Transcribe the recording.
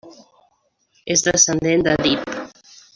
És descendent d'Èdip.